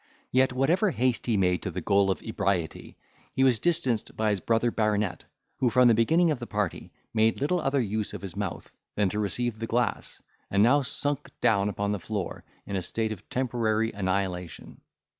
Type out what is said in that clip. Yet whatever haste he made to the goal of ebriety, he was distanced by his brother baronet, who from the beginning of the party had made little other use of his mouth than to receive the glass, and now sunk down upon the floor, in a state of temporary annihilation.